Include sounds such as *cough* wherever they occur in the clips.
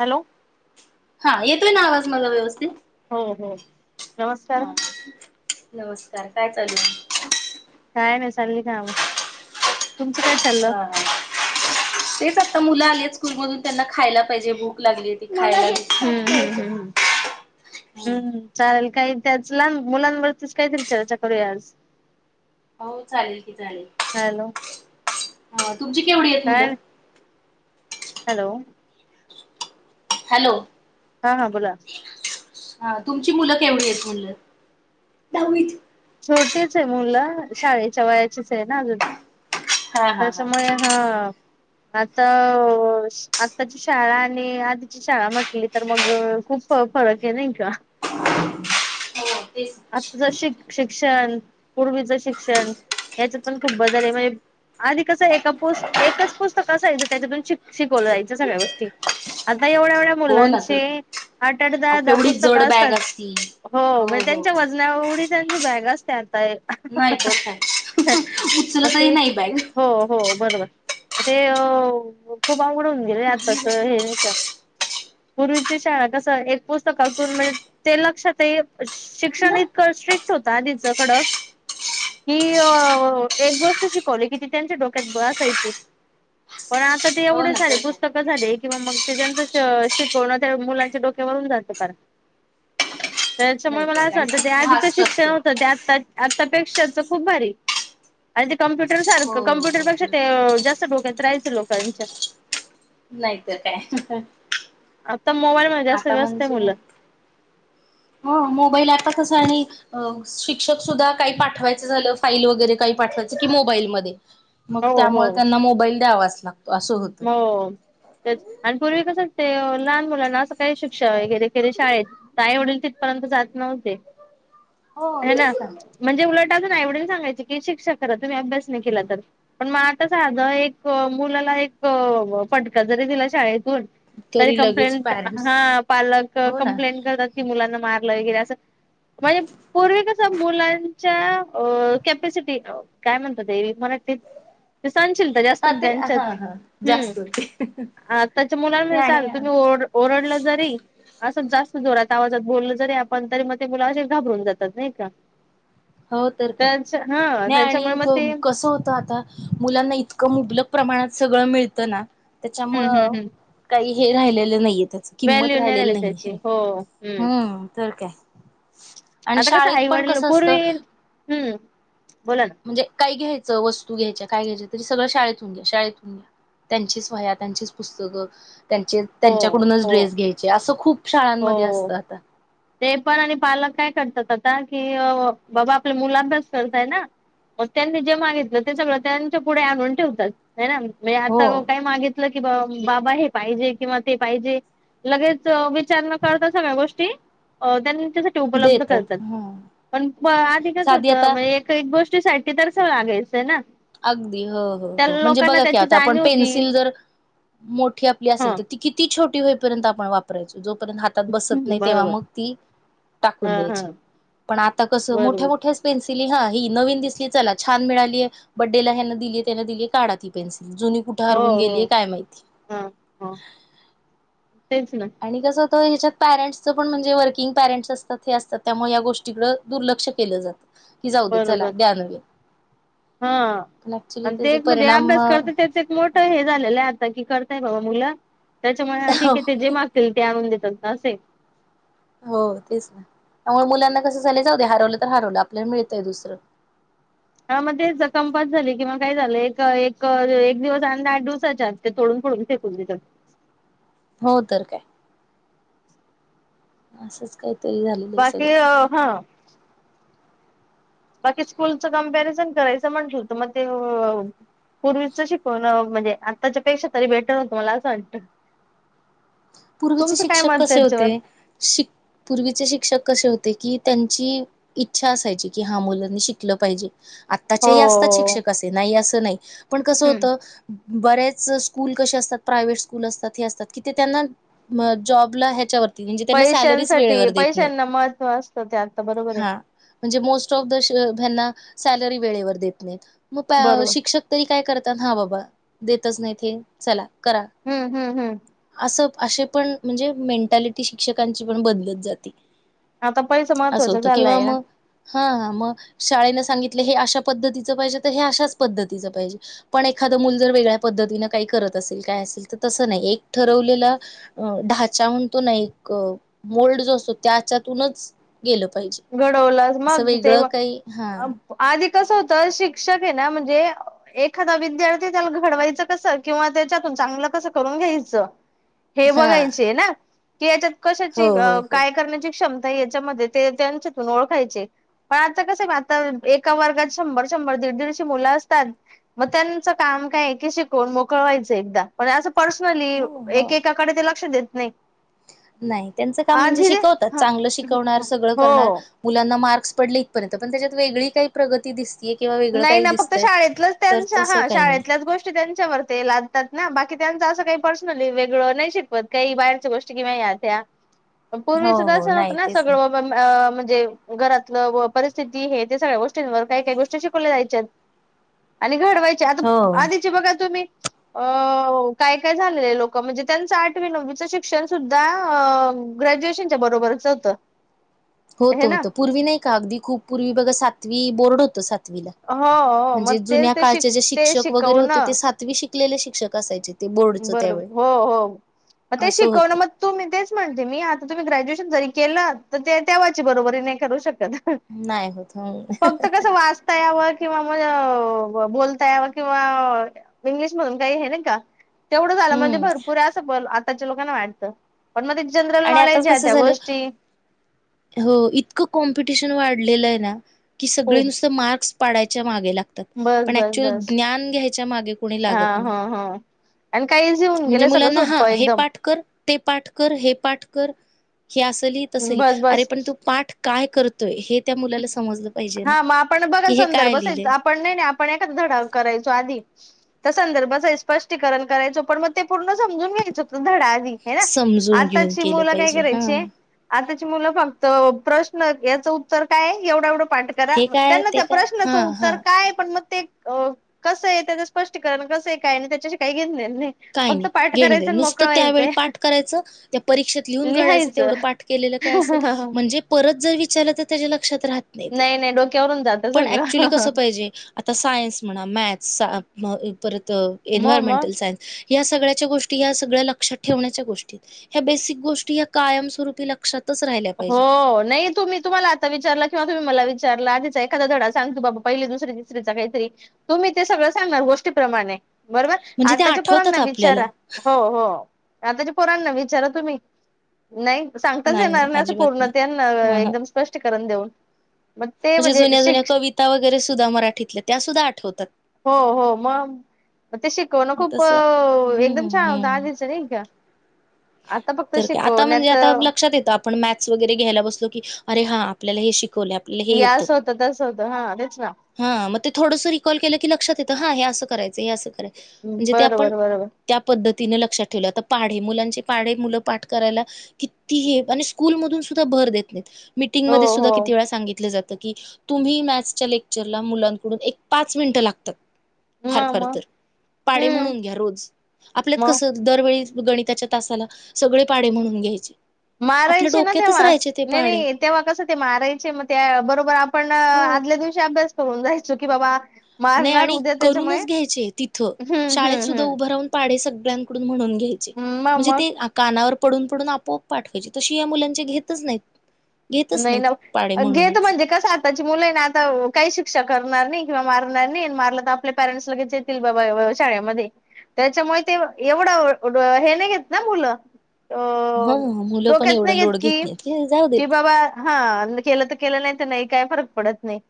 Hello हा येतोय ना आवाज मला व्यवस्थित. हो हो नमस्कार. हा. नमस्कार! काय चालू हाय? काय नाही चालली काम, तुमचं काय? चाललं हा हा. तेच आता मुलं आले आहेत स्कूल मधून, त्यांना खायला पाहिजे, भुक लागली खायला. हम्म हम्म चालल काही त्याच, लहान मुलांवरतीच काहीतरी चर्चा करूया आज. हाव चालेल की चालेल, हॅलो तुमची केवढी आहेत काय मुलं. हॅलो. हॅलो. हा हां बोला. हा तुमची मुलं केवढी आहेत म्हणलं, दहावीत छोटीच आहे मुलं, शाळेच्या वयाचीच आहे ना अजून हा हा त्याच्यामुळे हा आता अ आताची शाळा आणि आधी ची शाळा म्हटली तर, मग खूप फरक आहे नाही का? हो तेच आत्ताच शिक शिक्षण, पूर्वीच शिक्षण याच्यात पण खूप बदल आहे, म्हणजे आधी कसं? एका पुस एकच पुस्तक असायचं, त्याच्यातून शिक शिकवलं जायचं, सगळ्या गोष्टी आता एवढ्या एवढ्या हो ना तर मुलांचे काय आठ- आठ अहो दहा- दहा केवढी जड पुस्तकं बॅग असतात. असती. हो, म्हणजे त्यांच्या वजनाएवढी त्यांच्या बॅगा असत्या आता नाही तर काय? *unintelligible* मग उचलतही ते नाही बाई. हो हो बरोबर, ते खूप आवघडून गेले आताच हे नाही का? पूर्वीची शाळा कस? एक पुस्तकातून म्हणजे ते लक्षातही असं. शिक्षण इतकं स्ट्रिक्ट होत आधीच कडक ही अ एक गोष्ट शिकवली कि, ती त्यांच्या डोक्यात बसायची. पण आता ते हो एवढेच ना झाले, तर काय पुस्तकं झाले किंवा मग ते त्यांच शिकवण मुलांच्या डोक्यात ते होवून जात पार, त्याच्यामुळे नाही मला तर काय, असं आणि वाटत, ते खूप आधीचं व्हास्ट शिक्षण असतं. होतं ते, आ आतापेक्षाच खूप भारी आणि ते कम्प्युटर हो सारखं, हो हो कम्प्युटरपेक्षा तर ते जास्त डोक्यात राहायचं लोकांच्या नाहीतर काय? आता मोबाईल मध्ये जास्त आता व्यस्त आहे म्हणजे मुलं *inaudible* हो मोबाईल आता कस आणि अ शिक्षक सुद्धा काही पाठवायचं झालं, फाईल वगैरे काही पाठवायचं की, मोबाईलमध्ये मग हो त्यामुळे त्यांना मोबाईल द्यावाच लागतो आसं होत. मग. तेचं आणि पूर्वी कसं अस ते, लहान मुलांना असं काही शिक्षा वगैरे केली शाळेेत तर आई- वडील तिथपर्यंत, जात नव्हते. हो हाय ना, तेच म्हणजे उलट आजून आईवडील सांगायचे की, शिक्षा करा तुम्ही अभ्यास नाही केला तर पण मग आता, साध एक मुलाला एक अ फटका जरी दिला शाळेतून तरी लगेच कंप्लेंट, पॅरेंट्स हा पालक हो ना कंप्लेंट करतात कि, मुलांना मारलं वगैरे असं. म्हणजे पूर्वी कस मुलांच्या कॅपसिटी काय म्हणतात ते वी मराठीत? ते सहनशीलता जास्त हा ते त्यांच्यात हा हा हम्म जास्त होते आताच्या मुलाला म्ह आणि सांग तुम्ही ओ ओरडलं जरी असं जास्त जोरात आवाजात बोललं जरी, आपण तरी मग ते मुल असे घाबरून जातात नाही का? हो तर काय? त्याच हा नाही त्याच्यामुळे मग ते आणि कसं होतं आता मुलांना इतकं मुबलक प्रमाणात सगळं मिळतं ना. हम्म हम्म त्याच्यामुळं हम्म काही हे राहिलेलं नाहीये त्याच, किंमत व्हॅल्यू नाही राहिलेली राहिली त्याची नाहीे. हो हम्म तर काय आणि आता कसं शाळेत आई पण वडील कस अस त पूर्वी हम्म बोला ना म्हणजे काही घ्यायचं, वस्तू घ्यायच्या, काय घ्यायच्या तरी, सगळं शाळेतून घ्या, शाळेतून घ्या. त्यांचे वह्या त्यांचीच पुस्तकं त्यांचे हो त्यांच्याकडूनच हो ड्रेस घ्यायचे असं खूप शाळांमध्ये हो असतं आता ते पण आणि पालक काय करतात आता, कि बाबा आपल्या मुलाचाच खर्च आहे ना. मग त्यांनी जे मागितलं ते सगळ त्यांच्या पुढे आणून ठेवतात ना म्हणजे हो आता काही मागितलं कि बा बाबा हे पाहिजे किंवा ते पाहिजे लगेच विचार न करता सगळ्या गोष्टी त्यां उपलब्ध देतात करतात ह आधी कसं साधी होत. आता एक गोष्टीसाठी तरसं लागायचंय ना. अगदी हो हो त्या हो म्हणजे लोकांना बघा की त्याची आता आपण जाणीव होती पेन्सिल जर मोठी आपली ह असेल तर ती किती छोटी होईपर्यंत आपण वापरायचो जोपर्यंत हा बसत नाही तेव्हा बरोबर मग ती ह टाकून ह द्यायची पण आता कस मोठ्या बरोबर मोठ्या पेन्सिल हा ही नवीन दिसली चला छान मिळालीय. बड्डेला ह्याना दिले त्याना दिले काढा ती पेन्सिल जुनी कुठ हो हो हा हो तेच ना. आणि कसं होतं याच्यात पॅरेंट्सच पण म्हणजे वर्किंग पॅरेंट्स असतात. हे असतात. त्यामुळे या गोष्टीकडं दुर्लक्ष केलं जात की, जाऊ दे चला बरोबर द्या नवीन हा पण ऍक्च्युली आणि ते त्याचे एक म्हणजे परिणाम अभ्यास करत तेच मोठ हे झालेल की आता करतायत बाबा मूल त्याच्यामूळ ठीक आहे ते जे मा ते आणून देतात ना असय. हो तेच ना त्यामुळे मुलांना कसं झाले जाऊदे हरवलं तर हरवलं आपल्याला मिळतंय दुसरं ह मग ते कंपास झाली किंवा काय झालं एक एक एक दिवस अंदा आठ दिवसाच्यात तोडून फोडून फेकून देतात. हो तर काय. असंच काहीतरी झालेलं आहे बाकी सगळं. हा बाकी स्कूलच कंपरिजण करायचं म्हंटलं होत मग ते. पूर्वीच शिकवून म्हणजे आत्ताच्या पेक्षा तरी बेटर होतं मला असं वाटतं. पूर्वीचे तुमचं काय शिक्षक मत कसे त्याच्यावर होते. शिक पूर्वीचे शिक्षक कसे होते की त्यांची. इच्छा असायची की हा मुलांनी शिकलं पाहिजे. आत्ताचेही असतात हो शिक्षक असे नाही असं नाही पण कसं होतं. बरेच स्कूल कसे असतात. प्रायव्हेट स्कूल असतात. हे असतात की ते त्यांना म जॉबला ह्याच्यावरती. म्हणजे त्यांना सॅलरीच पैशांसाठी वेळेवर देत नाही पैशांना महत्त्व असतं ते आता बरोबर आहे हा. म्हणजे मोस्ट ऑफना सलरी वेळेवर देत नाही मग बरोबर शिक्षक तरी काय करतात हा बाबा देतच नाही ते चला करा. हम्म हम्म हम्. असं असे पण म्हणजे मेंटॅलिटी शिक्षकांची पण बदलत जाते. आता पैसा असं महत्त्वाच होतं किंवा झालाय ना. मग हा मग शाळेन सांगितलं हे अशा पद्धतीचं पाहिजे तर हे अशाच पद्धतीचं पाहिजे. पण एखादं मूल जर वेगळ्या पद्धतीनं काही करत असेल काय असेल तर तसं नाही एक ठरवलेलं, अ ढाचा म्हणतो ना एक मोल्ड जो असतो त्याच्यातूनच गेल पाहिजे घडवलाच असं मग ते वेगळं काही हा. आधी कसं होतं शिक्षक आहे ना म्हणजे, एखादा विद्यार्थी त्याला घडवायचं कसं, किंवा त्याच्यातून चांगलं कसं करून घ्यायचं. हे हा बघायचे आहे ना की, याच्यात हो कशाची हो हो काय करण्याची क्षमता याच्यामध्ये ते. त्यांच्यातून ओळखायचे. पण आता कसं आहे आता एका वर्गात शंभर शंभर दीड दीडशी मुलं असतात. मग त्यांचं काम काय एकी शिकवून मोकळवायचं एकदा पण असं पर्सनली हो हो एकेकाकडे ते लक्ष देत नाही. नाही त्यांचं काम म्हणजे आधी रे शिकवतात, हा चांगलं शिकवणार सगळं हो करणार मुलांना मार्क्स पडले इथपर्यंत पण त्याच्यात वेगळी काही प्रगती दिस नाही ना फक्त शाळेतलंच तर त्यांच्या तसं हा काही नाही शाळेतल्याच गोष्ट ष्टी त्यांच्यावर ते लादतात ना बाकी त्यांच असं काही पर्सनली वेगळं नाही शिकवत काही बाहेरच्या गोष्टी किंवा या त्या अन हो पूर्वीचं हो तस नाही नव्हतं ना तेच सगळं हो पण अह म्हणजे घरातले परिस्थिती हे सगळ्या गोष्टींवर काही काही गो ष्टी शिकवल्या जायच्या आणि घडवायच्या आता हो आधीचे बघा तुम्ही अ हो काय काय झालेलं लोक म्हणजे त्यांचं आठवी नववीचं शिक्षण सुद्धा अह ग्रॅज्युएशनच्या बरोबरच होतं. होत हे ना होत. पूर्वी नाही का अगदी खूप पूर्वी बघा सातवी बोर्ड होतं सात विला हो मग म्हणजे तेच जुन्या ते शिक काळचे जे ते शिक्षक वगैरे होते ते शिकवणं सातवी शिकलेले शिक्षक असायचे ते बोर्डच बरोबर त्यावेळी हो हो. आता हे असं शिकवणं होत मग तुम्ही तेच म्हणते मी आता तुम्ही ग्रॅज्युएशन जरी केलं तर तेव्हाची बरोबरी नाही करू शकत नाही होत हम्म फक्त कसं वाच ता यावं किंवा म बोलता यावर किंवा इंग्लिश मधून काही हे नाही का तेवढं झालं म्हणजे भरपूर असं पण आताच्या लोकांना वाटतं पण मध्येच जनरल आणि नॉलेज आताच ह्या कसं त्या झालं गोष्टी हो इतकं कॉम्पिटिशन वाढलेलं आहे ना की सगळे खूप नुसत मार्क्स पाडायच्या मागे लागतात बस पण बस ऍक्चुल बस ज्ञान घ्यायच्या मागे कोणी हा लागत नाही. हा हा आणि काही इझी होऊन म्हणजे गेलं सगळं मुलांना हा सोपं हे एकदम पाठ कर ते पाठ कर हे पाठ कर, हे अस ली तस ली बस अरे बस पण तू पाठ काय करतोय हे त्या मुलाला समजलं पाहिजे ना, की हे काय लिहिलंय. पण नाही नाही आपण एखादा धडा करायचो आधी त्या संदर्भाच स्पष्टीकरण करायचो पण मग ते पूर्ण समजून घ्यायचं तो धडा माहित आहे ना. समजून घेऊन आताची केलं मुलं काय पाहिजे हा करायचीय आताची मुलं फक्त प्रश्न याचं उत्तर काय एवढ एवढं पाठ करा. हे काय त्यांना ते त्या काय प्रश्नाचं हा उत्तर हा काय पण मग ते अ कसं येत त्याचं स्पष्टीकरण कसं आहे काय यांना त्याच्याशी काही घेन देणं नाही. काय फक्त नाही पाठ घेणं करायचं देणं आणि मोकळं नुसतं त्यावेळी व्हायचंय पाठ करायचं त्या परीक्षेत लिहून काढायचं लिहायचं तेवढं पाठ केलेलं काय असेल म्हणजे परत जर विचारलं तर त्याच्या लक्षात राहत नाही ते. डोक्यावरून जात पण ऍक्चुली सगळं कसं पाहिजे आता सायन्स म्हणा मॅथ्स म परत म मग एनवायरमेंटल सायन्स या सगळ्याच्या गोष्टी या सगळ्या लक्षात ठेवण्याच्या गोष्टी आहेत. ह्या बेसिक गोष्टी ह्या कायमस्वरूपी लक्षात हो नाही तुम्ही तुम्हाला आता विचारल किंवा तुम्ही मला विचारला आधीचा एखादा धडा सांग की बाबा पहिली दुसरी तिसरीचा काहीतरी तुम्ही ते सगळं सांगणार गोष्टीप्रमाणे बरोबर, म्हणजे त्या आताच्या पोरांना आठवतात आपल्याला विचारा हो हो आताच्या पोरांना विचारा तुम्ही, नाही सांगताच येणार नाही. च पूर्ण त्यांना ह ह एकदम स्पष्टीकरण देऊन. मग ते म्हणजे जुन्या जुन्या शिक कविता वगैरे सुद्धा मराठीतल्या त्या सुद्धा आठवतात हो हो मग ते शिकवण मग खूप तसं हम्म एकदम हम्म छान होत हम्म आधीच नाही का आता फक्त तर काय आता म्हणजे शिकवण्यात आता लक्षात येत आपण मॅथस वगैरे घ्यायला बसलो की अरे हा आपल्याला हे शिकवलं आहे. लिहा स्वतःच स्वतः हा तेच ना हा मग ते थोडंस रिकॉल केलं की लक्षात येतं हा हे असं करायचं हे असं करायचं म्हणजे ते आपण बरोबर बरोबर त्या पद्धतीने लक्षात ठेवलय आता पाढे मुलांचे पाढे मुलं पाठ करायला किती हे आणि स्कूल मधून सुद्धा भर देत नाहीत हो मीटिंगमध्ये सुद्धा हो किती वेळा सांगितलं जातं की तुम्ही मॅथसच्या लेक्चरला मुलांकडून एक पाच मिनिटं लागतात म फार फार मग तर पाढे हम्म म्हणून घ्या रोज. आपल्यात मग कस दरवेळी गणिताच्या तासाला सगळे पाढे म्हणून घ्यायचे. आपल्या मारायचे ना डोक्यातच तेव्हा राहायचे ते नाही पाढे नाही तेव्हा कसं ते मारायचे मग त्या बरोबर आपण हो आदल्या दिवशी *unintelligible* अभ्यास करून जायचो की बाबा नाही मारणार आणि उद्या त्याच्यामुळे करूनच घ्यायचे तिथं हम्म शाळेत हम्म सुद्धा उभं राहून *unintelligible* पाढे सगळ्यानकडून म्हणून घ्यायचे हम्म मग म्हणजे मग ते कानावर पडून पडून आपोआप पाठवायचे तशी या मुलांचे घेतच नाही नाही ना घेत म्हणजे का त्याची मुलं नाही आता काही शिक्षा करणार नाही किंवा मारणार नाही आणि मारलं तर आपल्या पॅरेंट्सला बाबा शाळेमध्ये त्याच्यामुळे ते एवढं हे नाही घेत ना मुलं ह अ मुलं पण एवढं लोड घेत नाहीत जाऊ देेत रं हा केलं तर केलं नाही तर नाही काय फरक पडत नाही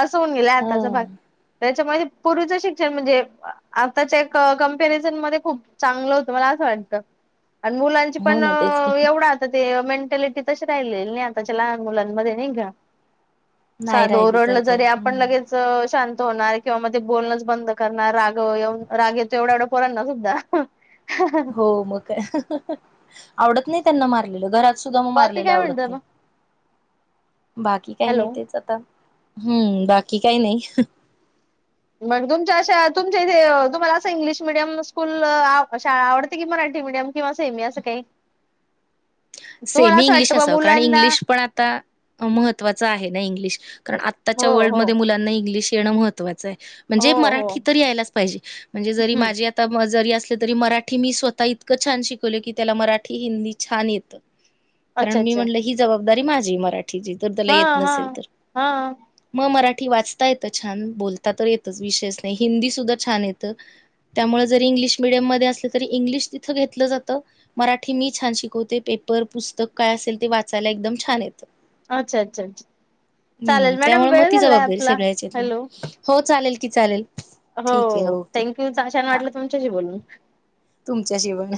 अस होन गेला हो आताचा भाग श्षण म्हण आता करन खप चांगलं होतं मला असं वाटतं *unintelligible* आणि मुलांची हो पण ना तेच की एवढा आता ते मेंटॅलिटी तशी राहिले नाही त्यांच्या लहान मुलांनमध्ये नई का नाही साधं राहिली तर ओरडलं काय जरी आपण हम्म लगेच शांत होणार किंवा मग ते बोलणंच बंद करणार राग ये राग य तो एवढा एवढं पोरणणार सुद्धा ह *unintelligible* हो मग आवडत नाही त्यांना मार घ सुद्धा मग बाकी मारलेला काय म्हणत आवडत नाही मग *unintelligible* बाकी काही नाही हॅलो तेच आता हम्म बाकी काही नाही मग तुमच्या अशा तुमच्या इथे तुम्हाला असं इंग्लिश मिडियम स्कूल शाळा आवडते कि मराठी मिडियम किंवा सेम असं काही *unintelligible* *unintelligible* तुम्हाला सेमी असं वाटतं इंग्लिश बा असावं कारण मुलांना इंग्लिश पण आता महत्वाचं आहे नाही इंग्लिश कारण हो आत्ताच्या हो वर्ल्डमध्येध्ये मुलांना इंग्लिश येणं महत् *unintelligible* मह म्हणजे हो हो मराठी तरी यायलाच पाहिजे म्हणजे जरी हम्म माझी आता जरी असलं तरी मराठी मी स्वतः इतकं छान शिकवल की त्याला मराठी हिंदी छान येतं अच्छा कारण मी अच्छा म्हणलं ही जबाबदारी माझी मराठीची ज त्याला हा येत हा नसेल तर हा मग मराठी वाचता येतं छान बोलता तर येतच विशेच नाही हिंदी सुद्धा छान येतं त्यामुळे जरी इंग्लिश मिीडियम मध्ये असलं तरी इंग्लिश तिथं घेतलं जातं मराठी मी छान शिकवते पेपर पुस्तक काय असेल ते वाचायला एकदम छान आहेत अच्छा अच्छा अच्छा हम्म चालेल मॅडम त्यामुळे मग वेळ ती झालाय जबाबदारी आपला सगळ्याचीेतली हॅलो हो चालेल की चाले हो थँक्यू छान वाटलं तुमच्याशी बोलून तुमच्या शिपण